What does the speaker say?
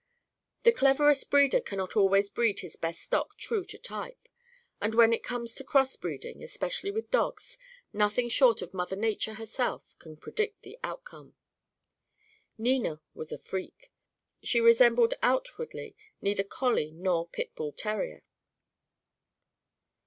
The cleverest breeder cannot always breed his best stock true to type. And when it comes to crossbreeding especially with dogs nothing short of Mother Nature herself can predict the outcome. Nina was a freak. She resembled outwardly neither collie nor pit bull terrier.